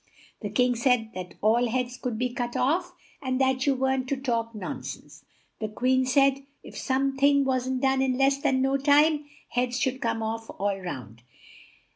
The King said that all heads could be cut off, and that you weren't to talk non sense. The Queen said, if some thing wasn't done in less than no time, heads should come off all round.